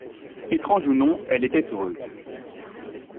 Étrange ou non, elle était heureuse